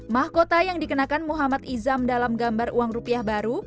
mahkota yang dikenakan muhammad izam dalam gambar uang rupiah baru